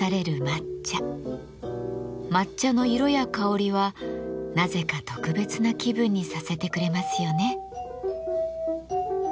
抹茶の色や香りはなぜか特別な気分にさせてくれますよね。